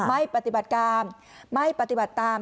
ไม่ปฏิบัติการไม่ปฏิบัติตาม